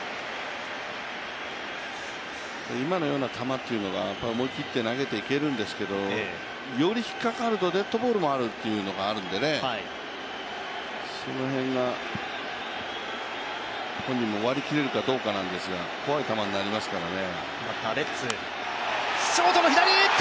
今のような球というのが思い切って投げていけるんですけどより引っかかると、デッドボールがあるというのがあるので、その辺が本人も割り切れるかどうかなんですが怖い球になりますからね。